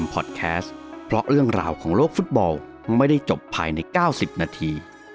โปรดติดตามตอนต่อไป